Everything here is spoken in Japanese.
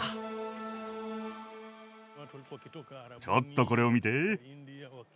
ちょっとこれを見て。